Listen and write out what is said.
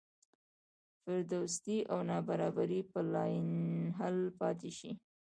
فرودستي او نابرابري به لاینحل پاتې شي.